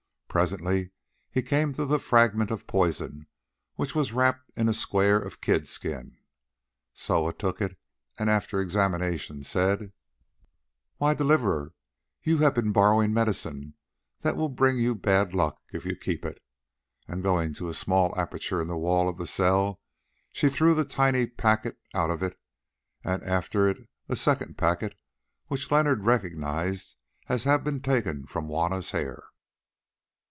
Presently he came to the fragment of poison which was wrapped in a square of kid skin. Soa took it, and after examination said: "Why, Deliverer, you have been borrowing medicine that will bring you bad luck if you keep it," and going to a small aperture in the wall of the cell, she threw the tiny packet out of it, and after it a second packet which Leonard recognised as having been taken from Juanna's hair.